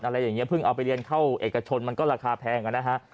อะไรอย่างนี้เพิ่งเอาไปเรียนเข้าเอกชนมันก็ราคาแพงนะฮะ